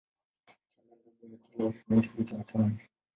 Chembe ndogo ya kila elementi huitwa atomu.